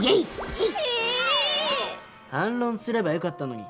ヒ！反論すればよかったのに。